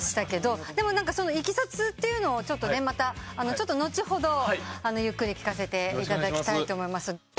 でもいきさつというのをまた後ほどゆっくり聞かせていただきたいと思います。